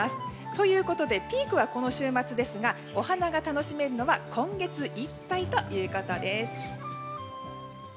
ということでピークはこの週末ですがお花が楽しめるのは今月いっぱいということです。